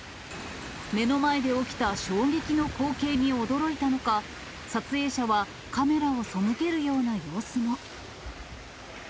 目の前で起きた衝撃の光景に驚いたのか、撮影者はカメラをそむけるような様子も。